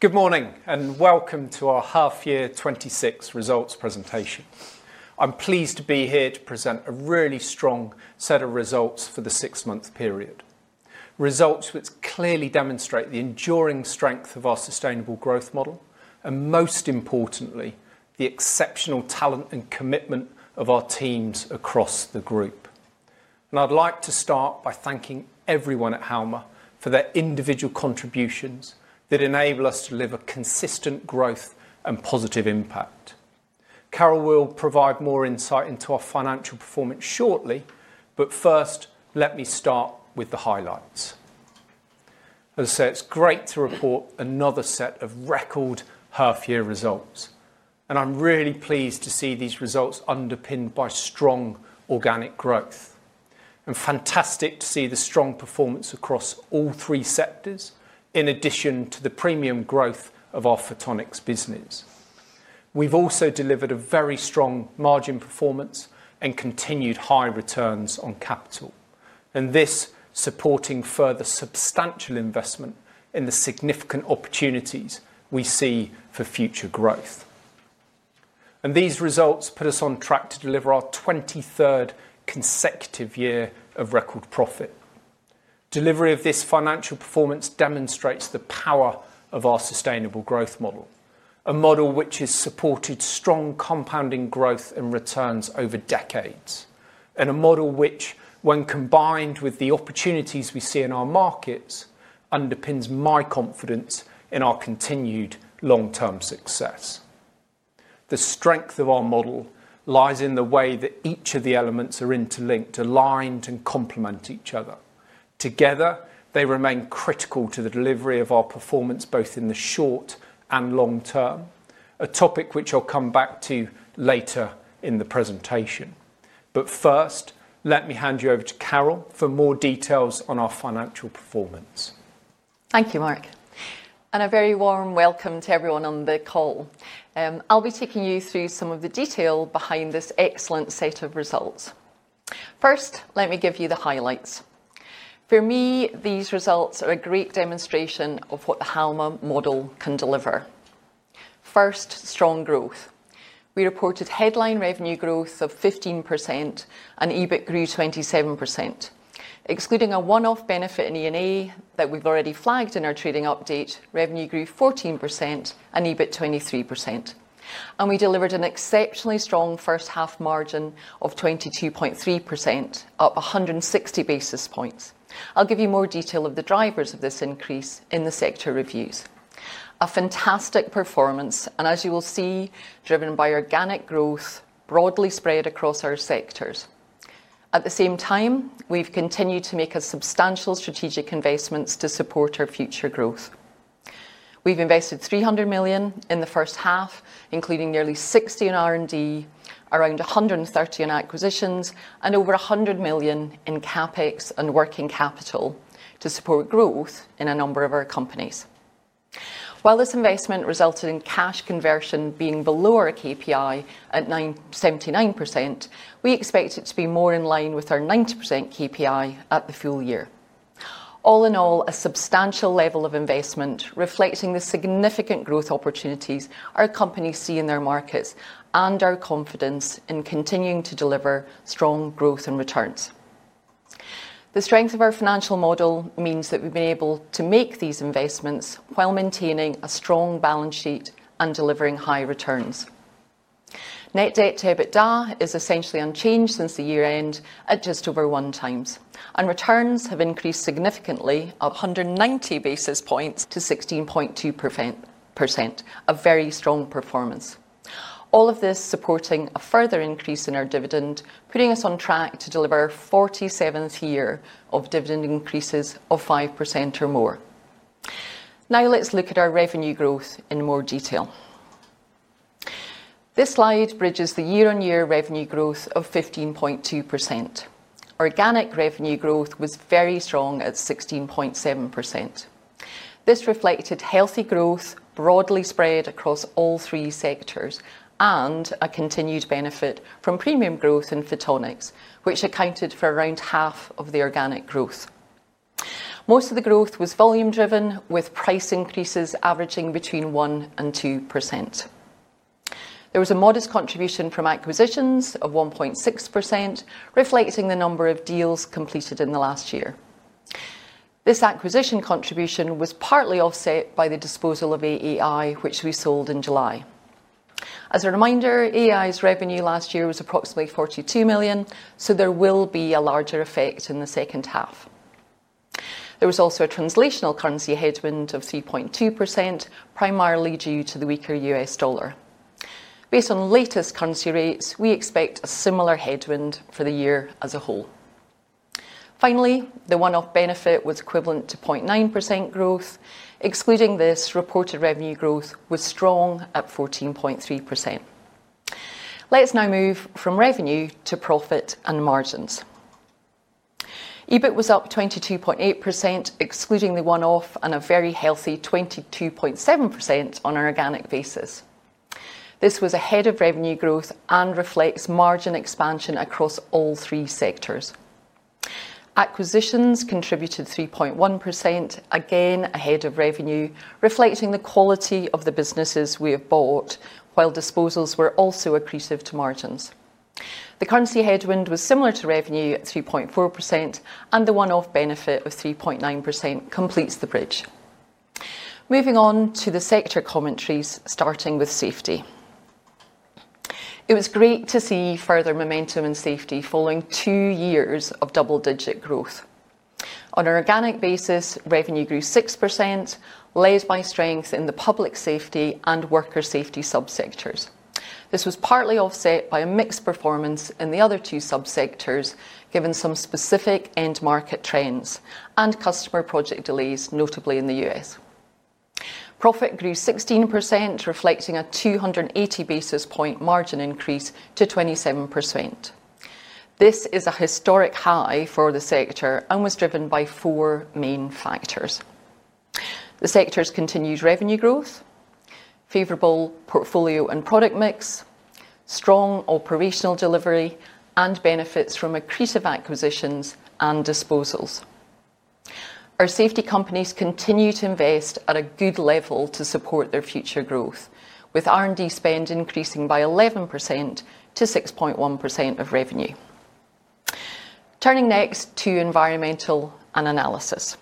Good morning and welcome to our half-year 2026 results presentation. I'm pleased to be here to present a really strong set of results for the six-month period. Results which clearly demonstrate the enduring strength of our sustainable growth model and, most importantly, the exceptional talent and commitment of our teams across the group. I'd like to start by thanking everyone at Halma for their individual contributions that enable us to deliver consistent growth and positive impact. Carole will provide more insight into our financial performance shortly. First, let me start with the highlights. As I said, it's great to report another set of record half-year results, and I'm really pleased to see these results underpinned by strong organic growth. It's fantastic to see the strong performance across all three sectors in addition to the premium growth of our Photonics business. We've also delivered a very strong margin performance and continued high returns on capital, and this supporting further substantial investment in the significant opportunities we see for future growth. These results put us on track to deliver our 23rd consecutive year of record profit. Delivery of this financial performance demonstrates the power of our sustainable growth model, a model which has supported strong compounding growth and returns over decades, and a model which, when combined with the opportunities we see in our markets, underpins my confidence in our continued long-term success. The strength of our model lies in the way that each of the elements are interlinked, aligned, and complement each other. Together, they remain critical to the delivery of our performance both in the short and long term, a topic which I'll come back to later in the presentation. First, let me hand you over to Carole for more details on our financial performance. Thank you, Marc, and a very warm welcome to everyone on the call. I'll be taking you through some of the detail behind this excellent set of results. First, let me give you the highlights. For me, these results are a great demonstration of what the Halma model can deliver. First, strong growth. We reported headline revenue growth of 15% and EBIT grew 27%. Excluding a one-off benefit in E&A that we've already flagged in our trading update, revenue grew 14% and EBIT 23%. We delivered an exceptionally strong first half margin of 22.3%, up 160 basis points. I'll give you more detail of the drivers of this increase in the sector reviews. A fantastic performance, and as you will see, driven by organic growth broadly spread across our sectors. At the same time, we've continued to make substantial strategic investments to support our future growth. We've invested 300 million in the first half, including nearly 60 million in R&D, around 130 million in acquisitions, and over 100 million in CapEx and working capital to support growth in a number of our companies. While this investment resulted in cash conversion being below our KPI at 79%, we expect it to be more in line with our 90% KPI at the full year. All in all, a substantial level of investment reflecting the significant growth opportunities our company sees in their markets and our confidence in continuing to deliver strong growth and returns. The strength of our financial model means that we've been able to make these investments while maintaining a strong balance sheet and delivering high returns. Net debt to EBITDA is essentially unchanged since the year-end at just over one times, and returns have increased significantly of 190 basis points to 16.2%, a very strong performance. All of this supporting a further increase in our dividend, putting us on track to deliver 47th year of dividend increases of 5% or more. Now let's look at our revenue growth in more detail. This slide bridges the year-on-year revenue growth of 15.2%. Organic revenue growth was very strong at 16.7%. This reflected healthy growth broadly spread across all three sectors and a continued benefit from premium growth in Photonics, which accounted for around half of the organic growth. Most of the growth was volume-driven, with price increases averaging between 1% and 2%. There was a modest contribution from acquisitions of 1.6%, reflecting the number of deals completed in the last year. This acquisition contribution was partly offset by the disposal of AAI, which we sold in July. As a reminder, AAI's revenue last year was approximately 42 million, so there will be a larger effect in the second half. There was also a translational currency headwind of 3.2%, primarily due to the weaker U.S. dollar. Based on the latest currency rates, we expect a similar headwind for the year as a whole. Finally, the one-off benefit was equivalent to 0.9% growth. Excluding this, reported revenue growth was strong at 14.3%. Let's now move from revenue to profit and margins. EBIT was up 22.8%, excluding the one-off, and a very healthy 22.7% on an organic basis. This was ahead of revenue growth and reflects margin expansion across all three sectors. Acquisitions contributed 3.1%, again ahead of revenue, reflecting the quality of the businesses we have bought, while disposals were also accretive to margins. The currency headwind was similar to revenue at 3.4%, and the one-off benefit of 3.9% completes the bridge. Moving on to the sector commentaries, starting with safety. It was great to see further momentum in safety following two years of double-digit growth. On an organic basis, revenue grew 6%, led by strength in the public safety and worker safety subsectors. This was partly offset by a mixed performance in the other two subsectors, given some specific end-market trends and customer project delays, notably in the U.S. Profit grew 16%, reflecting a 280 basis point margin increase to 27%. This is a historic high for the sector and was driven by four main factors. The sector's continued revenue growth, favorable portfolio and product mix, strong operational delivery, and benefits from accretive acquisitions and disposals. Our safety companies continue to invest at a good level to support their future growth, with R&D spend increasing by 11% to 6.1% of revenue. Turning next to environmental and analysis.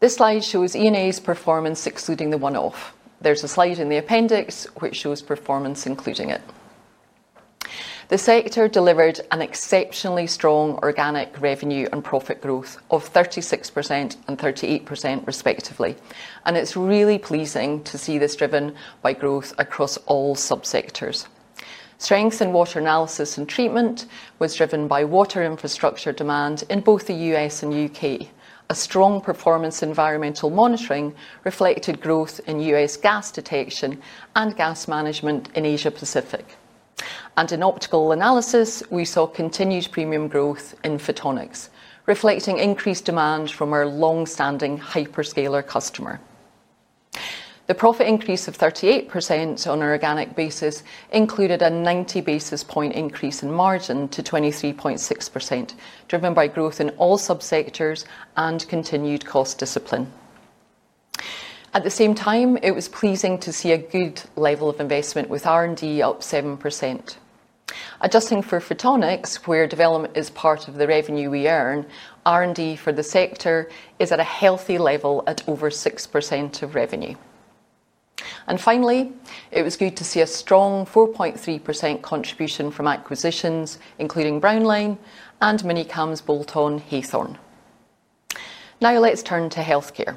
This slide shows E&A's performance excluding the one-off. There is a slide in the appendix which shows performance including it. The sector delivered an exceptionally strong organic revenue and profit growth of 36% and 38%, respectively, and it is really pleasing to see this driven by growth across all subsectors. Strength in water analysis and treatment was driven by water infrastructure demand in both the U.S. and U.K. A strong performance in environmental monitoring reflected growth in U.S. gas detection and gas management in Asia-Pacific. In optical analysis, we saw continued premium growth in Photonics, reflecting increased demand from our long-standing hyperscaler customer. The profit increase of 38% on an organic basis included a 90 basis point increase in margin to 23.6%, driven by growth in all subsectors and continued cost discipline. At the same time, it was pleasing to see a good level of investment with R&D up 7%. Adjusting for Photonics, where development is part of the revenue we earn, R&D for the sector is at a healthy level at over 6% of revenue. Finally, it was good to see a strong 4.3% contribution from acquisitions, including Brownline and Minicams Bolton-Hawthorne. Now let's turn to healthcare,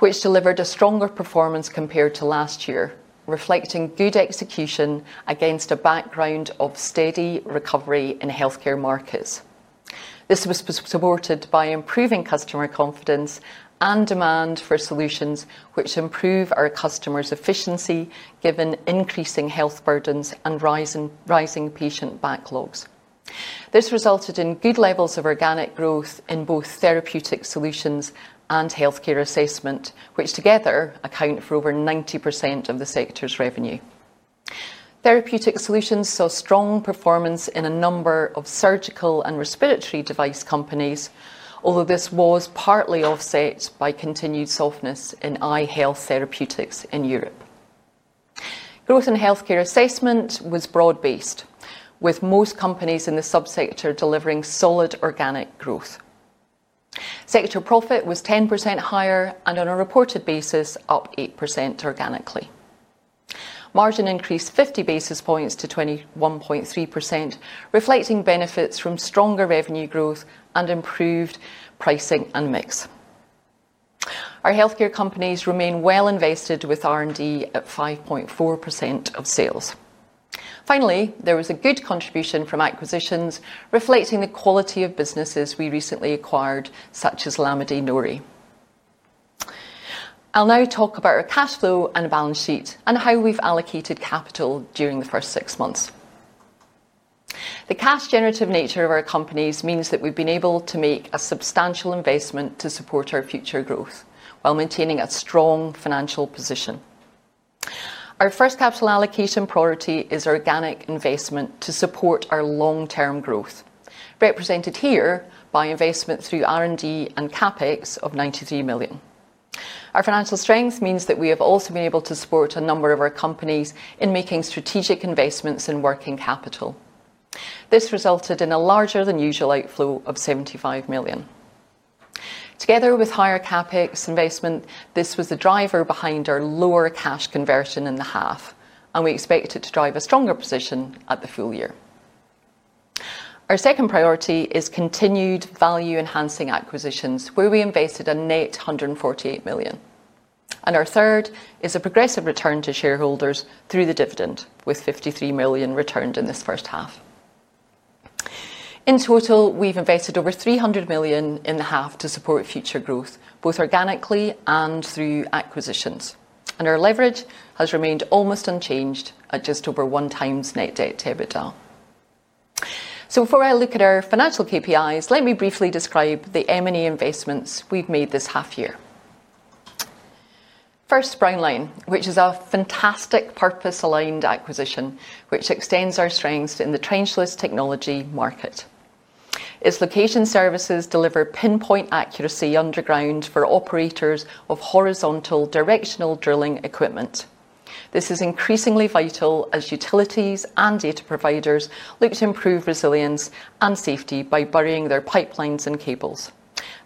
which delivered a stronger performance compared to last year, reflecting good execution against a background of steady recovery in healthcare markets. This was supported by improving customer confidence and demand for solutions which improve our customers' efficiency given increasing health burdens and rising patient backlogs. This resulted in good levels of organic growth in both therapeutic solutions and healthcare assessment, which together account for over 90% of the sector's revenue. Therapeutic solutions saw strong performance in a number of surgical and respiratory device companies, although this was partly offset by continued softness in eye health therapeutics in Europe. Growth in healthcare assessment was broad-based, with most companies in the subsector delivering solid organic growth. Sector profit was 10% higher and on a reported basis up 8% organically. Margin increased 50 basis points to 21.3%, reflecting benefits from stronger revenue growth and improved pricing and mix. Our healthcare companies remain well invested with R&D at 5.4% of sales. Finally, there was a good contribution from acquisitions, reflecting the quality of businesses we recently acquired, such as Lamidey Noury. I'll now talk about our cash flow and balance sheet and how we've allocated capital during the first six months. The cash-generative nature of our companies means that we've been able to make a substantial investment to support our future growth while maintaining a strong financial position. Our first capital allocation priority is organic investment to support our long-term growth, represented here by investment through R&D and CapEx of 93 million. Our financial strength means that we have also been able to support a number of our companies in making strategic investments in working capital. This resulted in a larger than usual outflow of 75 million. Together with higher CapEx investment, this was the driver behind our lower cash conversion in the half, and we expect it to drive a stronger position at the full year. Our second priority is continued value-enhancing acquisitions, where we invested a net 148 million. Our third is a progressive return to shareholders through the dividend, with 53 million returned in this first half. In total, we've invested over 300 million in the half to support future growth, both organically and through acquisitions. Our leverage has remained almost unchanged at just over one times net debt to EBITDA. Before I look at our financial KPIs, let me briefly describe the M&A investments we've made this half year. First, Brownline, which is a fantastic purpose-aligned acquisition, extends our strengths in the trenchless technology market. Its location services deliver pinpoint accuracy underground for operators of horizontal directional drilling equipment. This is increasingly vital as utilities and data providers look to improve resilience and safety by burying their pipelines and cables.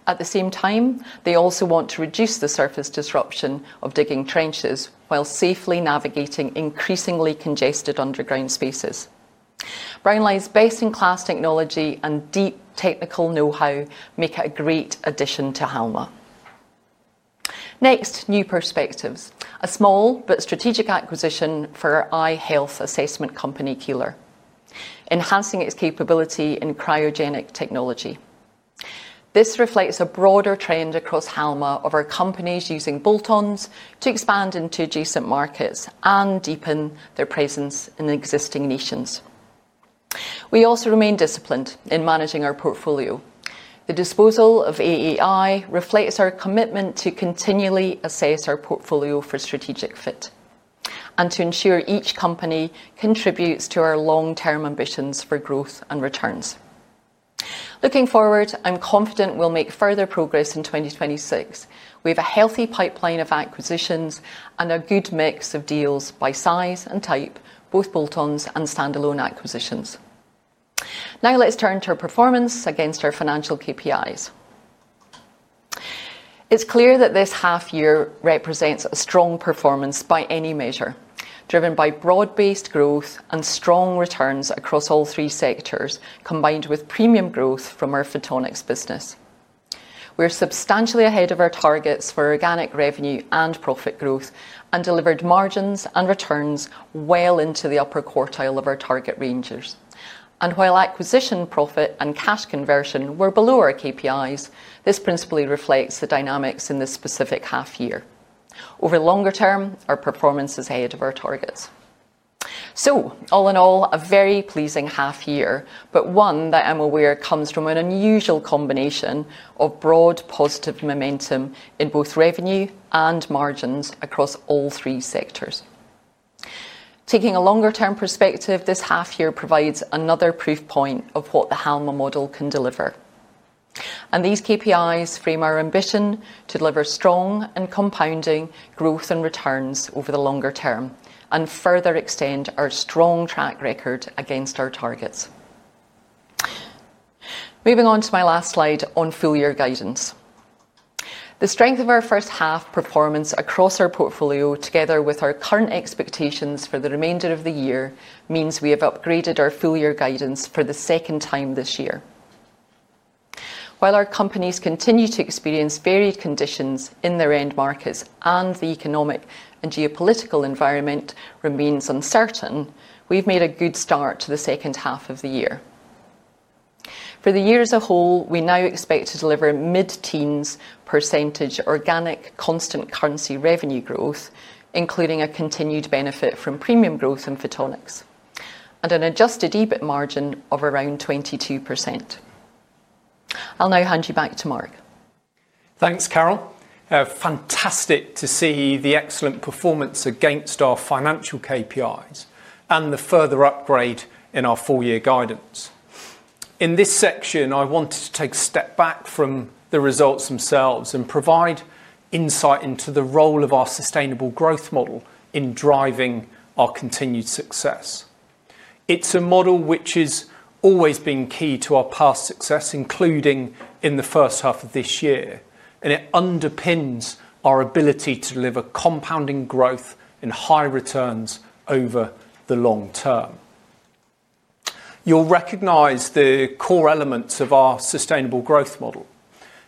At the same time, they also want to reduce the surface disruption of digging trenches while safely navigating increasingly congested underground spaces. Brownline's best-in-class technology and deep technical know-how make it a great addition to Halma. Next, new perspectives. A small but strategic acquisition for our eye health assessment company, Keeler, enhancing its capability in cryogenic technology. This reflects a broader trend across Halma of our companies using bolt-ons to expand into adjacent markets and deepen their presence in existing nations. We also remain disciplined in managing our portfolio. The disposal of AAI reflects our commitment to continually assess our portfolio for strategic fit and to ensure each company contributes to our long-term ambitions for growth and returns. Looking forward, I'm confident we'll make further progress in 2026. We have a healthy pipeline of acquisitions and a good mix of deals by size and type, both bolt-ons and standalone acquisitions. Now let's turn to our performance against our financial KPIs. is clear that this half year represents a strong performance by any measure, driven by broad-based growth and strong returns across all three sectors, combined with premium growth from our Photonics business. We are substantially ahead of our targets for organic revenue and profit growth and delivered margins and returns well into the upper quartile of our target ranges. While acquisition profit and cash conversion were below our KPIs, this principally reflects the dynamics in this specific half year. Over the longer term, our performance is ahead of our targets. All in all, a very pleasing half year, but one that I am aware comes from an unusual combination of broad positive momentum in both revenue and margins across all three sectors. Taking a longer-term perspective, this half year provides another proof point of what the Halma model can deliver. These KPIs frame our ambition to deliver strong and compounding growth and returns over the longer term and further extend our strong track record against our targets. Moving on to my last slide on full-year guidance. The strength of our first half performance across our portfolio, together with our current expectations for the remainder of the year, means we have upgraded our full-year guidance for the second time this year. While our companies continue to experience varied conditions in their end markets and the economic and geopolitical environment remains uncertain, we've made a good start to the second half of the year. For the year as a whole, we now expect to deliver mid-teens percentage organic constant currency revenue growth, including a continued benefit from premium growth in Photonics and an adjusted EBIT margin of around 22%. I'll now hand you back to Marc. Thanks, Carole. Fantastic to see the excellent performance against our financial KPIs and the further upgrade in our full-year guidance. In this section, I wanted to take a step back from the results themselves and provide insight into the role of our sustainable growth model in driving our continued success. It's a model which has always been key to our past success, including in the first half of this year, and it underpins our ability to deliver compounding growth and high returns over the long term. You'll recognize the core elements of our sustainable growth model.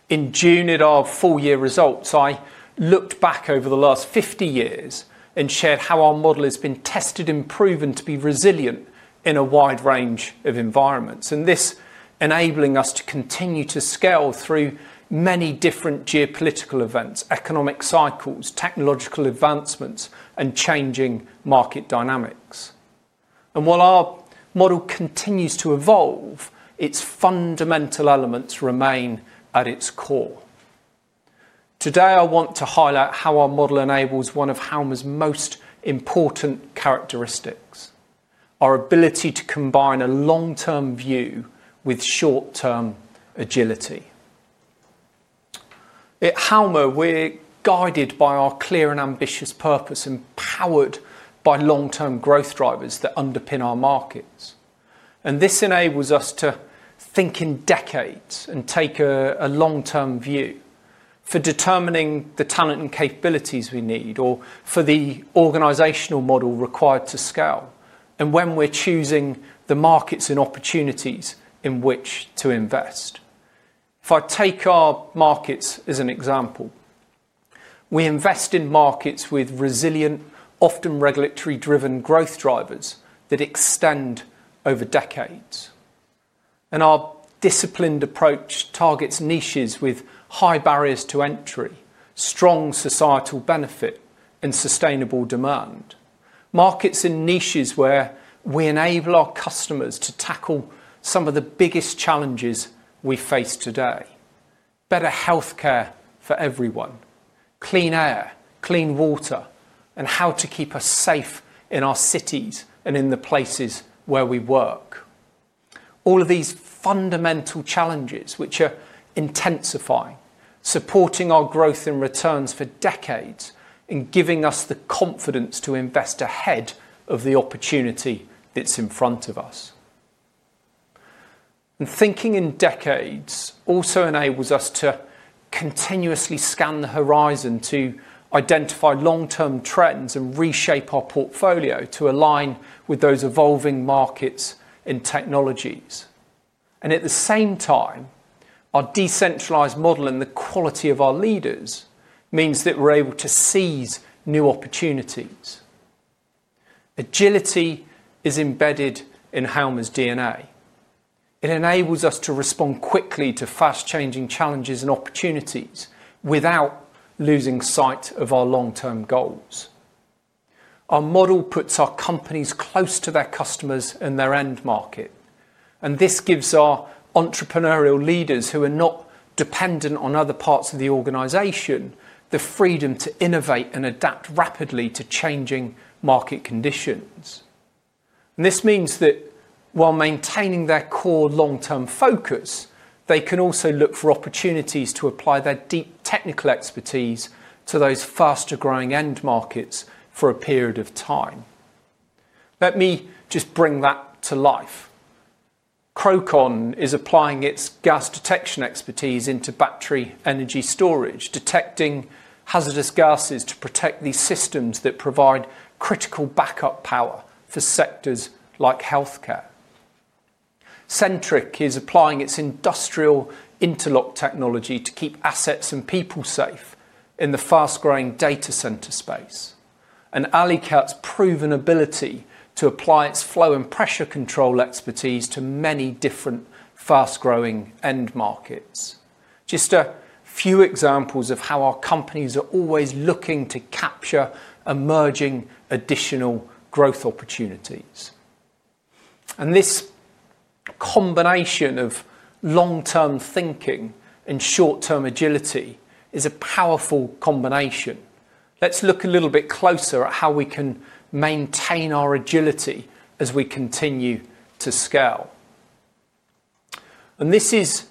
In June at our full-year results, I looked back over the last 50 years and shared how our model has been tested and proven to be resilient in a wide range of environments, and this enabling us to continue to scale through many different geopolitical events, economic cycles, technological advancements, and changing market dynamics. While our model continues to evolve, its fundamental elements remain at its core. Today, I want to highlight how our model enables one of Halma's most important characteristics: our ability to combine a long-term view with short-term agility. At Halma, we're guided by our clear and ambitious purpose and powered by long-term growth drivers that underpin our markets. This enables us to think in decades and take a long-term view for determining the talent and capabilities we need or for the organizational model required to scale and when we're choosing the markets and opportunities in which to invest. If I take our markets as an example, we invest in markets with resilient, often regulatory-driven growth drivers that extend over decades. Our disciplined approach targets niches with high barriers to entry, strong societal benefit, and sustainable demand. Markets in niches where we enable our customers to tackle some of the biggest challenges we face today: better healthcare for everyone, clean air, clean water, and how to keep us safe in our cities and in the places where we work. All of these fundamental challenges, which are intensifying, support our growth and returns for decades and give us the confidence to invest ahead of the opportunity that is in front of us. Thinking in decades also enables us to continuously scan the horizon to identify long-term trends and reshape our portfolio to align with those evolving markets and technologies. At the same time, our decentralized model and the quality of our leaders mean that we are able to seize new opportunities. Agility is embedded in Halma's DNA. It enables us to respond quickly to fast-changing challenges and opportunities without losing sight of our long-term goals. Our model puts our companies close to their customers and their end market. This gives our entrepreneurial leaders, who are not dependent on other parts of the organization, the freedom to innovate and adapt rapidly to changing market conditions. This means that while maintaining their core long-term focus, they can also look for opportunities to apply their deep technical expertise to those faster-growing end markets for a period of time. Let me just bring that to life. Crowcon is applying its gas detection expertise into battery energy storage, detecting hazardous gases to protect these systems that provide critical backup power for sectors like healthcare. Centric is applying its industrial interlock technology to keep assets and people safe in the fast-growing data center space. Alicat's proven ability to apply its flow and pressure control expertise to many different fast-growing end markets. Just a few examples of how our companies are always looking to capture emerging additional growth opportunities. This combination of long-term thinking and short-term agility is a powerful combination. Let's look a little bit closer at how we can maintain our agility as we continue to scale. This is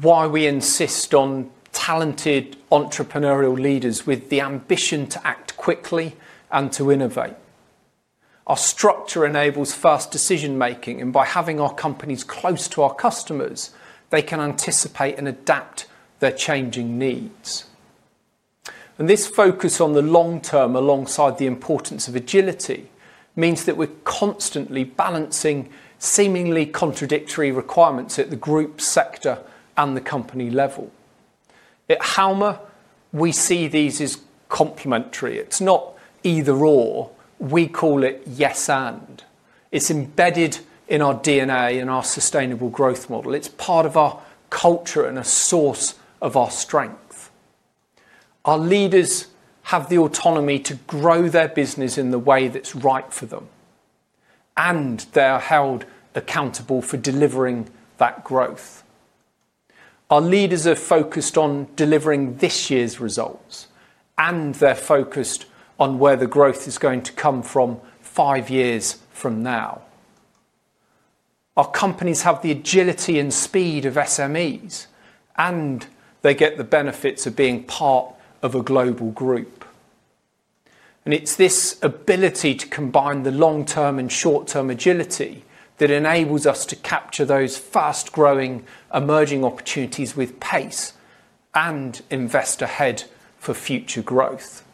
why we insist on talented entrepreneurial leaders with the ambition to act quickly and to innovate. Our structure enables fast decision-making, and by having our companies close to our customers, they can anticipate and adapt their changing needs. This focus on the long term alongside the importance of agility means that we're constantly balancing seemingly contradictory requirements at the group, sector, and the company level. At Halma, we see these as complementary. It's not either/or. We call it yes/and. It's embedded in our DNA and our sustainable growth model. It's part of our culture and a source of our strength. Our leaders have the autonomy to grow their business in the way that's right for them, and they are held accountable for delivering that growth. Our leaders are focused on delivering this year's results, and they're focused on where the growth is going to come from five years from now. Our companies have the agility and speed of SMEs, and they get the benefits of being part of a global group. It's this ability to combine the long-term and short-term agility that enables us to capture those fast-growing emerging opportunities with pace and invest ahead for future growth.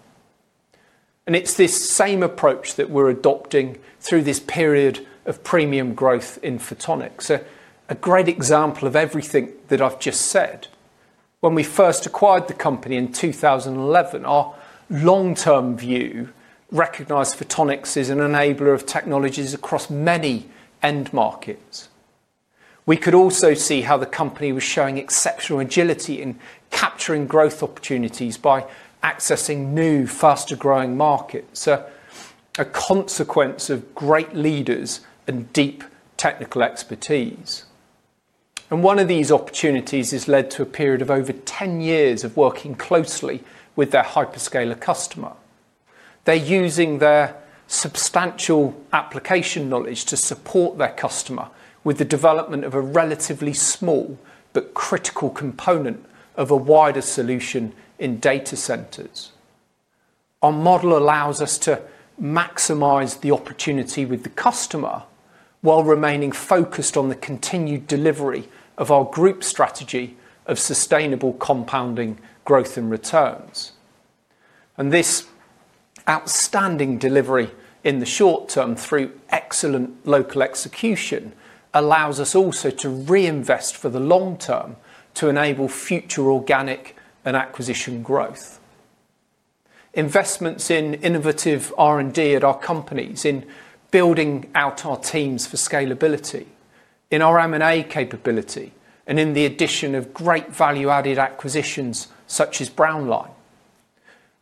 It's this same approach that we're adopting through this period of premium growth in Photonics. A great example of everything that I've just said. When we first acquired the company in 2011, our long-term view recognized Photonics as an enabler of technologies across many end markets. We could also see how the company was showing exceptional agility in capturing growth opportunities by accessing new, faster-growing markets, a consequence of great leaders and deep technical expertise. One of these opportunities has led to a period of over 10 years of working closely with their hyperscaler customer. They are using their substantial application knowledge to support their customer with the development of a relatively small but critical component of a wider solution in data centers. Our model allows us to maximize the opportunity with the customer while remaining focused on the continued delivery of our group strategy of sustainable compounding growth and returns. This outstanding delivery in the short term through excellent local execution allows us also to reinvest for the long term to enable future organic and acquisition growth. Investments in innovative R&D at our companies, in building out our teams for scalability, in our M&A capability, and in the addition of great value-added acquisitions such as Brownline.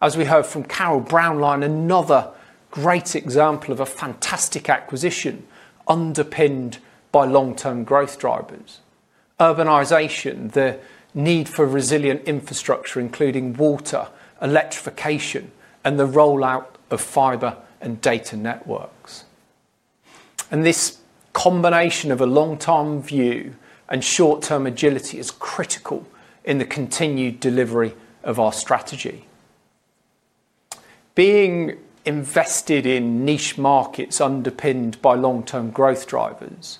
As we heard from Carole, Brownline is another great example of a fantastic acquisition underpinned by long-term growth drivers: urbanization, the need for resilient infrastructure, including water, electrification, and the rollout of fiber and data networks. This combination of a long-term view and short-term agility is critical in the continued delivery of our strategy. Being invested in niche markets underpinned by long-term growth drivers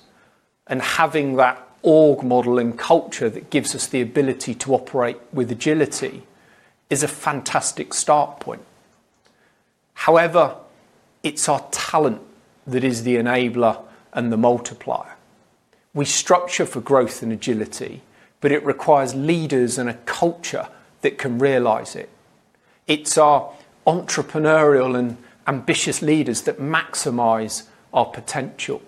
and having that org model and culture that gives us the ability to operate with agility is a fantastic start point. However, it's our talent that is the enabler and the multiplier. We structure for growth and agility, but it requires leaders and a culture that can realize it. It's our entrepreneurial and ambitious leaders that maximize our potential.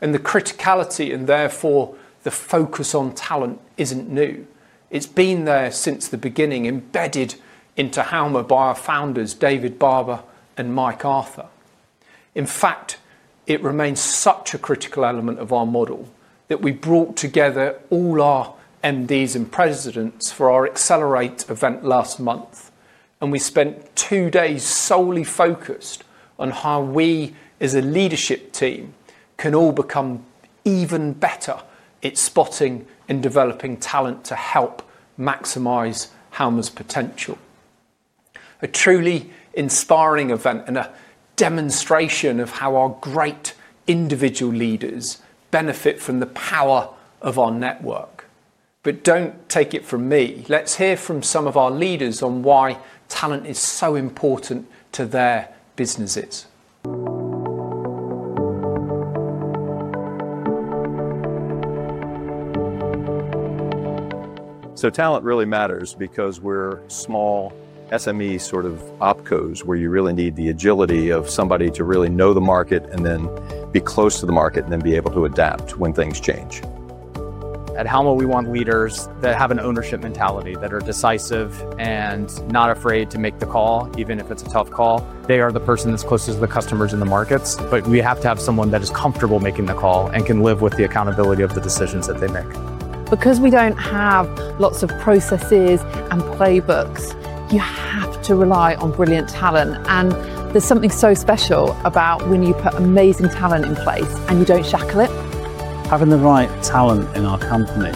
The criticality and therefore the focus on talent isn't new. It's been there since the beginning, embedded into Halma by our founders, David Barber and Mike Arthur. In fact, it remains such a critical element of our model that we brought together all our MDs and presidents for our accelerate event last month, and we spent two days solely focused on how we, as a leadership team, can all become even better at spotting and developing talent to help maximize Halma's potential. A truly inspiring event and a demonstration of how our great individual leaders benefit from the power of our network. Don't take it from me. Let's hear from some of our leaders on why talent is so important to their businesses. Talent really matters because we're small SME sort of opcos where you really need the agility of somebody to really know the market and then be close to the market and then be able to adapt when things change.At Halma, we want leaders that have an ownership mentality, that are decisive and not afraid to make the call, even if it's a tough call. They are the person that's closest to the customers and the markets, but we have to have someone that is comfortable making the call and can live with the accountability of the decisions that they make. Because we don't have lots of processes and playbooks, you have to rely on brilliant talent. There is something so special about when you put amazing talent in place and you do not shackle it. Having the right talent in our company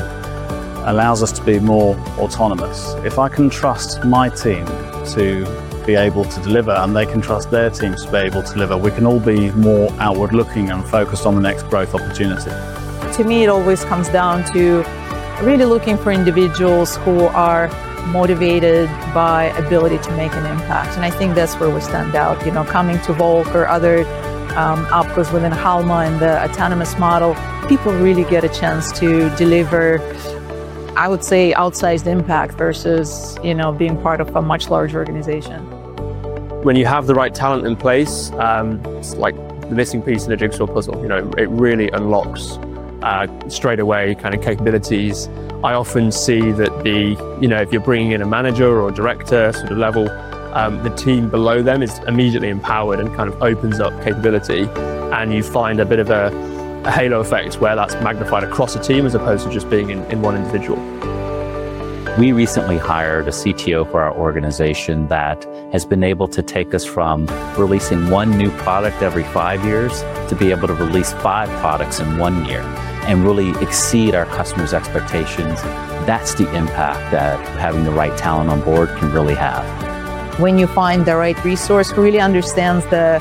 allows us to be more autonomous. If I can trust my team to be able to deliver and they can trust their teams to be able to deliver, we can all be more outward-looking and focused on the next growth opportunity. To me, it always comes down to really looking for individuals who are motivated by the ability to make an impact. I think that is where we stand out. Coming to Volk or other opcos within Halma and the autonomous model, people really get a chance to deliver, I would say, outsized impact versus being part of a much larger organization. When you have the right talent in place, it is like the missing piece in a jigsaw puzzle. It really unlocks straight away kind of capabilities. I often see that if you're bringing in a manager or a director sort of level, the team below them is immediately empowered and kind of opens up capability. You find a bit of a halo effect where that's magnified across a team as opposed to just being in one individual. We recently hired a CTO for our organization that has been able to take us from releasing one new product every five years to be able to release five products in one year and really exceed our customers' expectations. That's the impact that having the right talent on board can really have. When you find the right resource who really understands the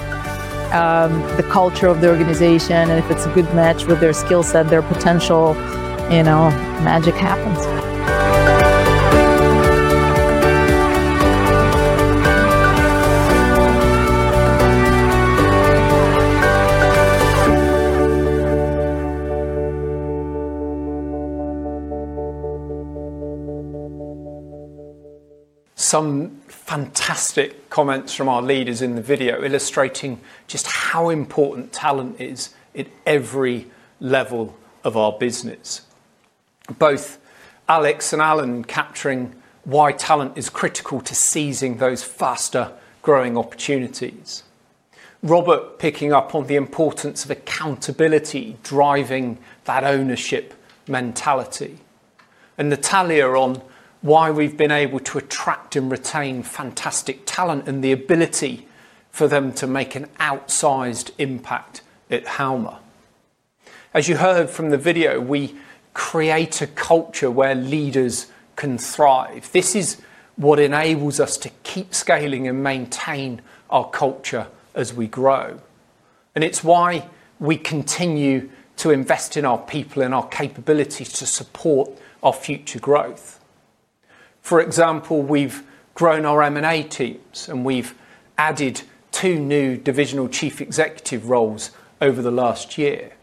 culture of the organization and if it's a good match with their skill set, their potential, magic happens. Some fantastic comments from our leaders in the video illustrating just how important talent is at every level of our business. Both Alex and Alan capturing why talent is critical to seizing those faster-growing opportunities. Robert picking up on the importance of accountability driving that ownership mentality. Natalia on why we've been able to attract and retain fantastic talent and the ability for them to make an outsized impact at Halma. As you heard from the video, we create a culture where leaders can thrive. This is what enables us to keep scaling and maintain our culture as we grow. It is why we continue to invest in our people and our capabilities to support our future growth. For example, we've grown our M&A teams, and we've added two new divisional chief executive roles over the last year.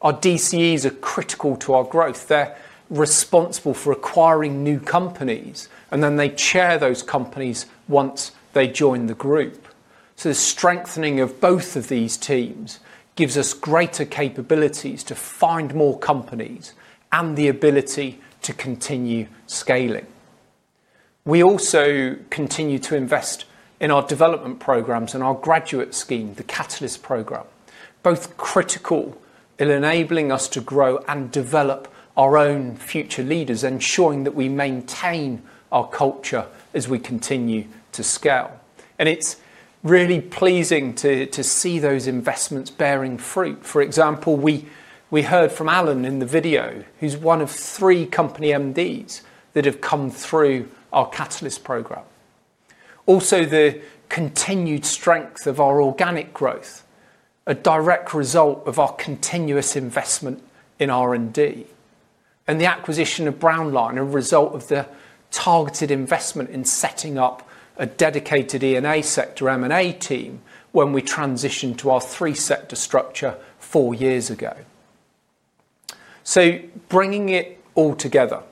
Our DCEs are critical to our growth. They're responsible for acquiring new companies, and then they chair those companies once they join the group. The strengthening of both of these teams gives us greater capabilities to find more companies and the ability to continue scaling. We also continue to invest in our development programs and our graduate scheme, the Catalyst Programme, both critical in enabling us to grow and develop our own future leaders, ensuring that we maintain our culture as we continue to scale. It's really pleasing to see those investments bearing fruit. For example, we heard from Alan in the video, who's one of three company MDs that have come through our Catalyst Programme. Also, the continued strength of our organic growth, a direct result of our continuous investment in R&D, and the acquisition of Brownline, a result of the targeted investment in setting up a dedicated E&A sector M&A team when we transitioned to our three-sector structure four years ago. Bringing it all together,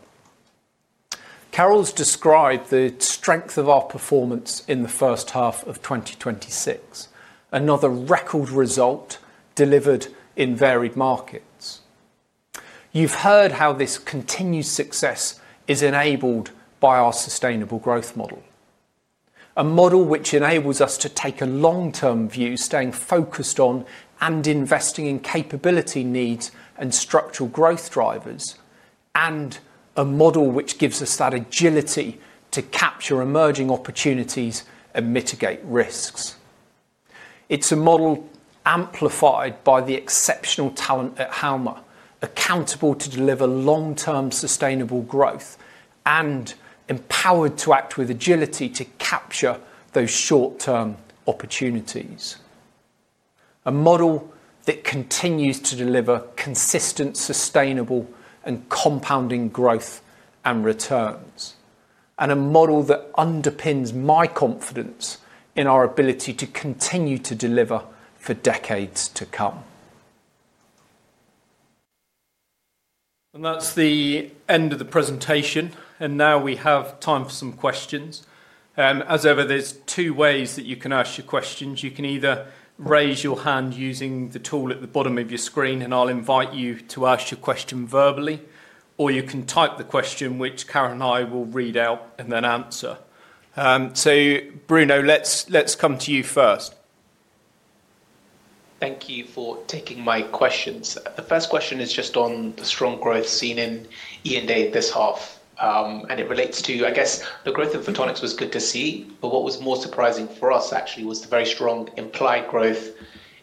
Carole's described the strength of our performance in the first half of 2026, another record result delivered in varied markets. You've heard how this continued success is enabled by our sustainable growth model, a model which enables us to take a long-term view, staying focused on and investing in capability needs and structural growth drivers, and a model which gives us that agility to capture emerging opportunities and mitigate risks. It's a model amplified by the exceptional talent at Halma, accountable to deliver long-term sustainable growth and empowered to act with agility to capture those short-term opportunities. A model that continues to deliver consistent, sustainable, and compounding growth and returns, and a model that underpins my confidence in our ability to continue to deliver for decades to come. That is the end of the presentation. Now we have time for some questions. As ever, there are two ways that you can ask your questions. You can either raise your hand using the tool at the bottom of your screen, and I will invite you to ask your question verbally, or you can type the question, which Carole and I will read out and then answer. Bruno, let's come to you first. Thank you for taking my questions. The first question is just on the strong growth seen in E&A this half. It relates to, I guess, the growth of Photonics was good to see, but what was more surprising for us actually was the very strong implied growth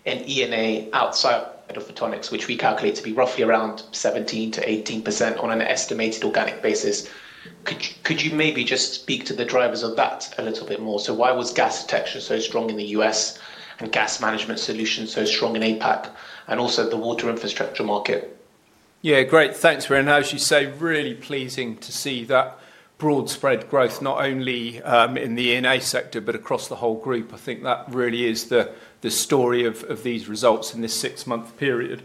in E&A outside of Photonics, which we calculate to be roughly around 17%-18% on an estimated organic basis. Could you maybe just speak to the drivers of that a little bit more? Why was gas detection so strong in the U.S. and gas management solutions so strong in Asia-Pacific and also the water infrastructure market? Yeah, great. Thanks, Bruno. As you say, really pleasing to see that broad spread growth, not only in the E&A sector, but across the whole group. I think that really is the story of these results in this six-month period.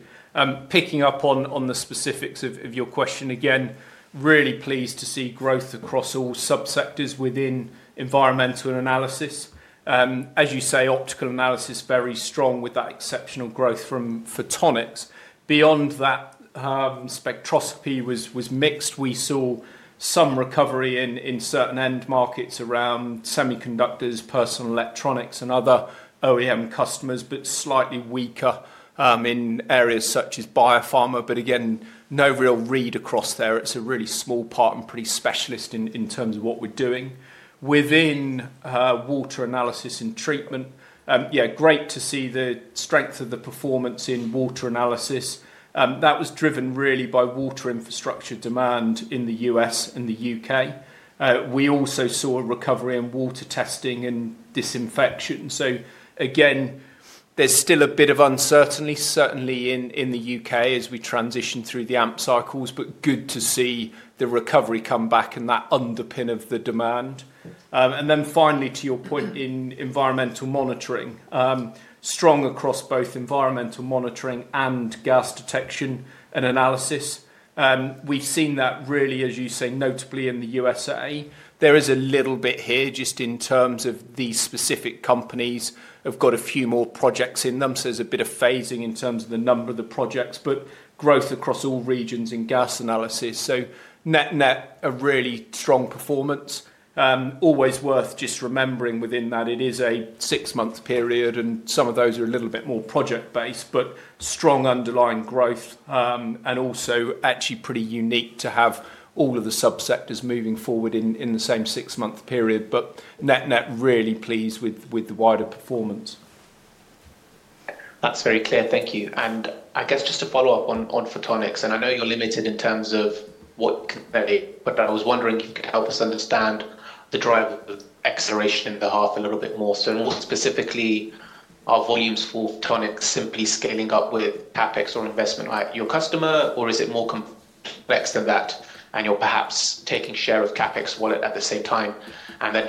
Picking up on the specifics of your question again, really pleased to see growth across all subsectors within environmental analysis. As you say, optical analysis very strong with that exceptional growth from Photonics. Beyond that, spectroscopy was mixed. We saw some recovery in certain end markets around semiconductors, personal electronics, and other OEM customers, but slightly weaker in areas such as biopharma. Again, no real read across there. It's a really small part and pretty specialist in terms of what we're doing. Within Water Analysis and Treatment, yeah, great to see the strength of the performance in water analysis. That was driven really by water infrastructure demand in the U.S. and the U.K. We also saw a recovery in water testing and disinfection. There is still a bit of uncertainty, certainly in the U.K. as we transition through the AMP cycles, but good to see the recovery come back and that underpin of the demand. Finally, to your point in environmental monitoring, strong across both environmental monitoring and gas detection and analysis. We've seen that really, as you say, notably in the U.S. There is a little bit here just in terms of these specific companies have got a few more projects in them. There's a bit of phasing in terms of the number of the projects, but growth across all regions in gas analysis. Net-net a really strong performance. Always worth just remembering within that it is a six-month period, and some of those are a little bit more project-based, but strong underlying growth and also actually pretty unique to have all of the subsectors moving forward in the same six-month period. Net-net really pleased with the wider performance. That's very clear. Thank you. I guess just to follow up on Photonics, and I know you're limited in terms of what can vary, but I was wondering if you could help us understand the driver of acceleration in the half a little bit more. More specifically, are volumes for Photonics simply scaling up with CapEx or investment at your customer, or is it more complex than that, and you're perhaps taking share of CapEx wallet at the same time?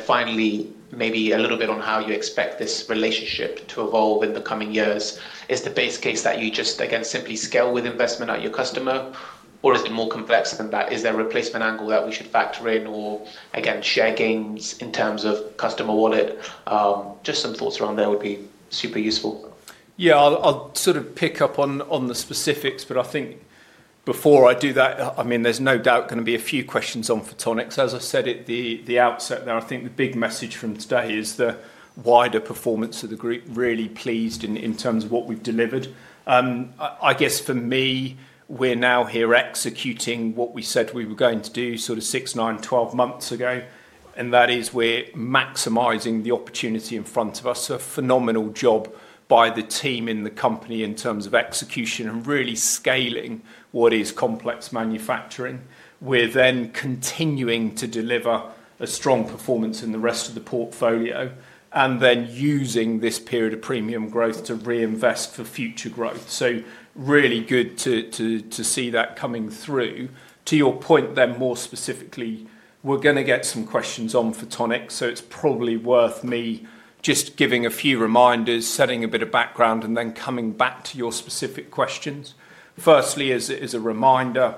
Finally, maybe a little bit on how you expect this relationship to evolve in the coming years. Is the base case that you just, again, simply scale with investment at your customer, or is it more complex than that? Is there a replacement angle that we should factor in or, again, share gains in terms of customer wallet? Just some thoughts around there would be super useful. Yeah, I'll sort of pick up on the specifics, but I think before I do that, I mean, there's no doubt going to be a few questions on Photonics. As I said at the outset there, I think the big message from today is the wider performance of the group, really pleased in terms of what we've delivered. I guess for me, we're now here executing what we said we were going to do sort of six, nine, twelve months ago, and that is we're maximizing the opportunity in front of us. A phenomenal job by the team in the company in terms of execution and really scaling what is complex manufacturing. We're then continuing to deliver a strong performance in the rest of the portfolio and then using this period of premium growth to reinvest for future growth. Really good to see that coming through. To your point then, more specifically, we're going to get some questions on Photonics, so it's probably worth me just giving a few reminders, setting a bit of background, and then coming back to your specific questions. Firstly, as a reminder,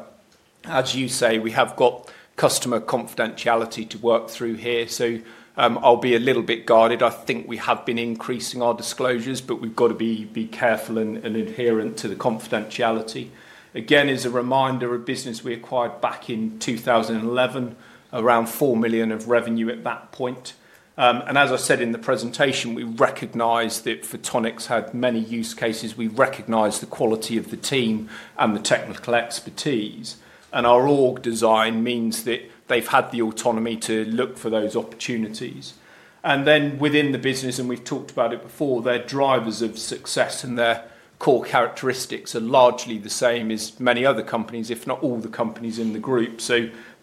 as you say, we have got customer confidentiality to work through here, so I'll be a little bit guarded. I think we have been increasing our disclosures, but we've got to be careful and adherent to the confidentiality. Again, as a reminder, a business we acquired back in 2011, around 4 million of revenue at that point. As I said in the presentation, we recognize that Photonics had many use cases. We recognize the quality of the team and the technical expertise. Our org design means that they've had the autonomy to look for those opportunities. Within the business, and we've talked about it before, their drivers of success and their core characteristics are largely the same as many other companies, if not all the companies in the group.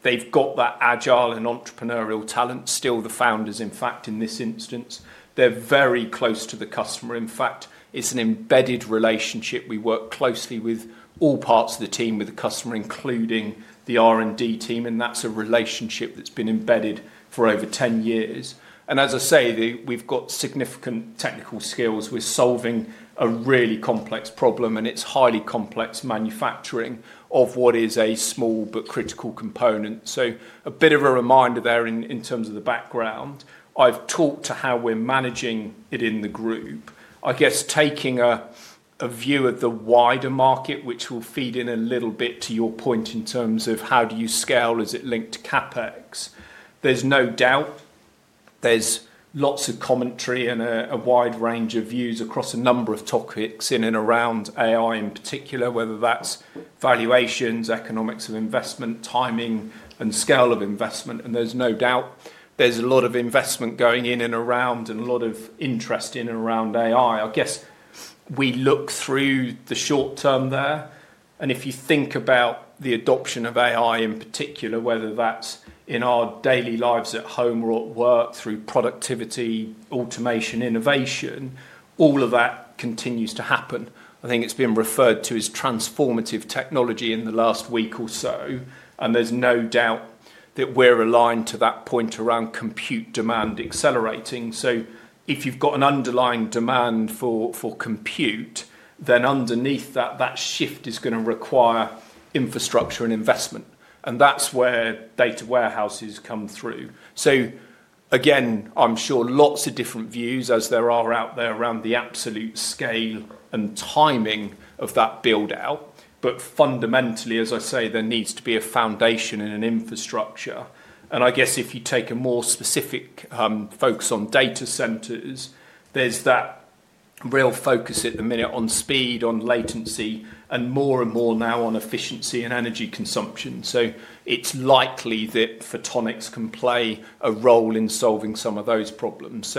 They've got that agile and entrepreneurial talent. Still, the founders, in fact, in this instance, they're very close to the customer. In fact, it's an embedded relationship. We work closely with all parts of the team, with the customer, including the R&D team, and that's a relationship that's been embedded for over ten years. As I say, we've got significant technical skills. We're solving a really complex problem, and it's highly complex manufacturing of what is a small but critical component. A bit of a reminder there in terms of the background. I've talked to how we're managing it in the group. I guess taking a view of the wider market, which will feed in a little bit to your point in terms of how do you scale, is it linked to CapEx? There's no doubt. There's lots of commentary and a wide range of views across a number of topics in and around AI in particular, whether that's valuations, economics of investment, timing, and scale of investment. There's no doubt there's a lot of investment going in and around and a lot of interest in and around AI. I guess we look through the short term there. If you think about the adoption of AI in particular, whether that's in our daily lives at home or at work through productivity, automation, innovation, all of that continues to happen. I think it's been referred to as transformative technology in the last week or so, and there's no doubt that we're aligned to that point around compute demand accelerating. If you've got an underlying demand for compute, then underneath that, that shift is going to require infrastructure and investment. That's where data warehouses come through. I'm sure lots of different views as there are out there around the absolute scale and timing of that build-out. Fundamentally, as I say, there needs to be a foundation and an infrastructure. I guess if you take a more specific focus on data centers, there's that real focus at the minute on speed, on latency, and more and more now on efficiency and energy consumption. It's likely that Photonics can play a role in solving some of those problems.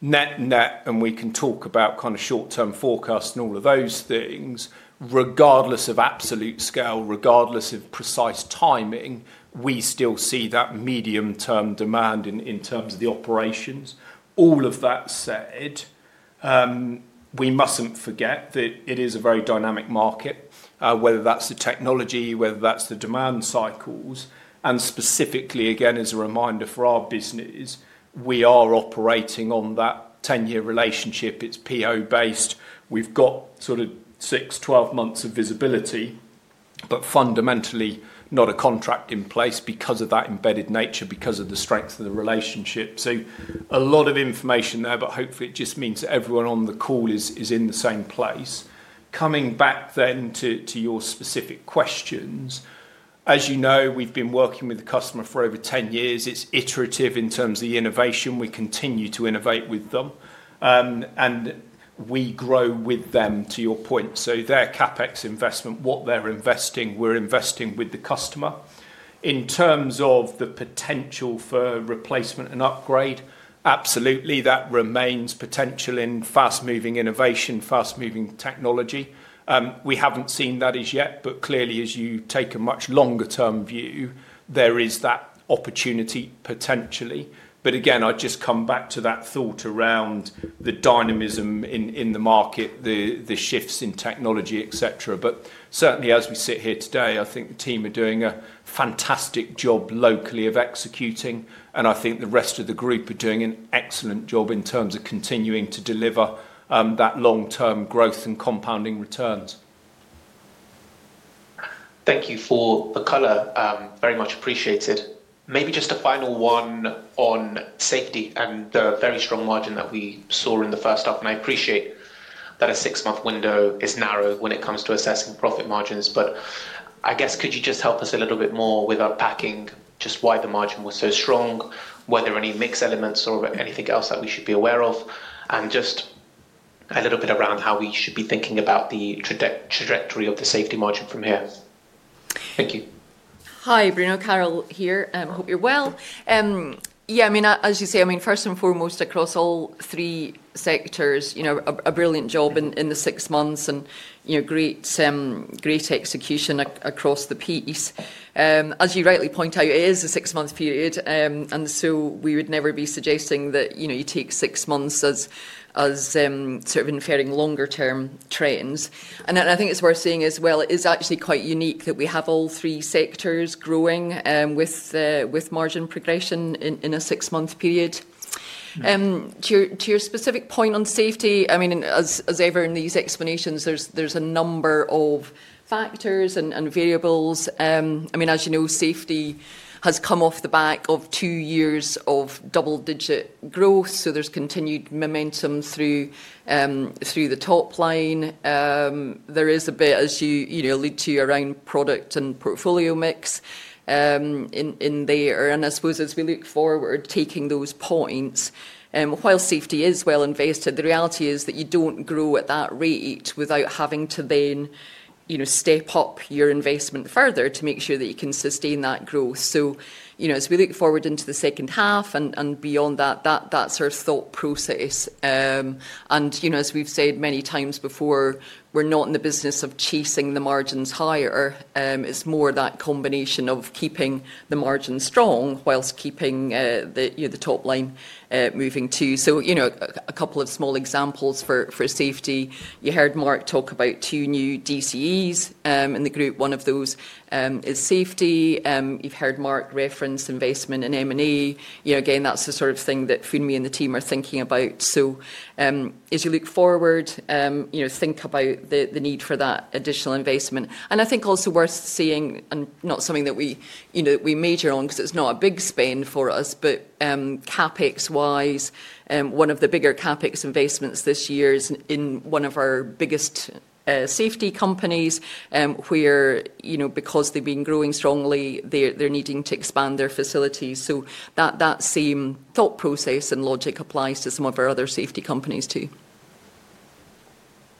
Net-net, and we can talk about kind of short-term forecasts and all of those things. Regardless of absolute scale, regardless of precise timing, we still see that medium-term demand in terms of the operations. All of that said, we mustn't forget that it is a very dynamic market, whether that's the technology, whether that's the demand cycles. Specifically, again, as a reminder for our business, we are operating on that ten-year relationship. It's PO-based. We've got sort of six, twelve months of visibility, but fundamentally not a contract in place because of that embedded nature, because of the strength of the relationship. A lot of information there, but hopefully it just means that everyone on the call is in the same place. Coming back then to your specific questions, as you know, we've been working with the customer for over ten years. It's iterative in terms of the innovation. We continue to innovate with them, and we grow with them, to your point. Their CapEx investment, what they're investing, we're investing with the customer. In terms of the potential for replacement and upgrade, absolutely, that remains potential in fast-moving innovation, fast-moving technology. We haven't seen that as yet, but clearly, as you take a much longer-term view, there is that opportunity potentially. I just come back to that thought around the dynamism in the market, the shifts in technology, etc. Certainly, as we sit here today, I think the team are doing a fantastic job locally of executing, and I think the rest of the group are doing an excellent job in terms of continuing to deliver that long-term growth and compounding returns. Thank you for the color. Very much appreciated. Maybe just a final one on safety and the very strong margin that we saw in the first half. I appreciate that a six-month window is narrow when it comes to assessing profit margins, but I guess could you just help us a little bit more with unpacking just why the margin was so strong, whether any mixed elements or anything else that we should be aware of, and just a little bit around how we should be thinking about the trajectory of the safety margin from here? Thank you. Hi, Bruno, Carole here. I hope you're well. Yeah, I mean, as you say, I mean, first and foremost, across all three sectors, a brilliant job in the six months and great execution across the piece. As you rightly point out, it is a six-month period, and we would never be suggesting that you take six months as sort of inferring longer-term trends. I think it's worth saying as well, it is actually quite unique that we have all three sectors growing with margin progression in a six-month period. To your specific point on safety, I mean, as ever in these explanations, there's a number of factors and variables. I mean, as you know, safety has come off the back of two years of double-digit growth, so there's continued momentum through the top line. There is a bit, as you alluded to, around product and portfolio mix in there. I suppose as we look forward, taking those points, while safety is well invested, the reality is that you do not grow at that rate without having to then step up your investment further to make sure that you can sustain that growth. As we look forward into the second half and beyond that, that is our thought process. As we have said many times before, we are not in the business of chasing the margins higher. It is more that combination of keeping the margin strong whilst keeping the top line moving too. A couple of small examples for safety. You heard Marc talk about two new DCEs in the group. One of those is safety. You have heard Marc reference investment in M&A. Again, that is the sort of thing that Funmi and the team are thinking about. As you look forward, think about the need for that additional investment. I think also worth seeing, and not something that we major on because it's not a big spend for us, but CapEx-wise, one of the bigger CapEx investments this year is in one of our biggest safety companies where, because they've been growing strongly, they're needing to expand their facilities. That same thought process and logic applies to some of our other safety companies too.